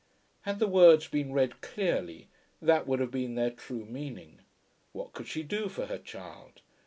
Had the words been read clearly, that would have been their true meaning. What could she do for her child?